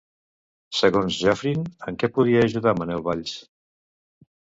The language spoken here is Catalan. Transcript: Segons Joffrin, en què podria ajudar Manuel Valls?